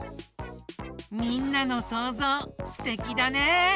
みんなのそうぞうすてきだね！